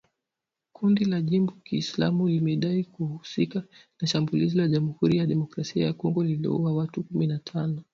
Kundi la Jimbo Kiislamu limedai kuhusika na shambulizi la Jamhuri ya Kidemokrasia ya Kongo lililouwa watu kumi na tano